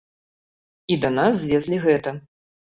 І да нас звезлі гэта.